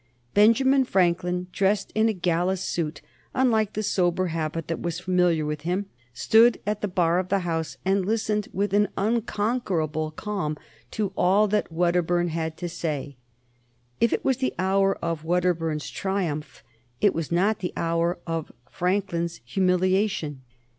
Benjamin Franklin, dressed in a gala suit, unlike the sober habit that was familiar with him, stood at the bar of the House and listened with an unconquerable calm to all that Wedderburn had to say. If it was the hour of Wedderburn's triumph, it was not the hour of Franklin's humiliation.